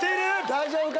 大丈夫か？